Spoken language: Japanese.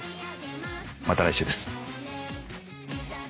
また来週です。